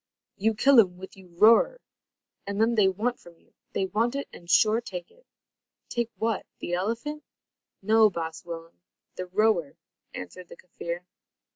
"You kill um with you roer, and then they want from you. They want it, and sure take it." "Take what the elephant?" "No, baas Willem, the roer," answered the Kaffir.